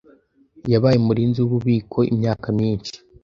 Yabaye umurinzi wububiko imyaka myinshi.